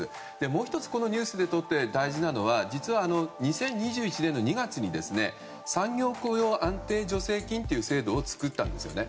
もう１つ、このニュースで大事なのは実は、２０２１年の２月に産業雇用安定助成金という制度を作ったんですね。